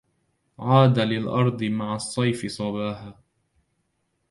عاد للأرض مع الصيف صباها